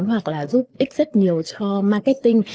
hoặc là giúp ích rất nhiều cho marketing